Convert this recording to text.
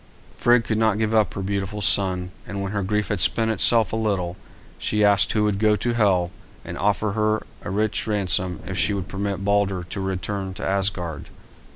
Frigg could not give up her beautiful son, and when her grief had spent itself a little, she asked who would go to Hel and offer her a rich ransom if she would permit Balder to return to Asgard.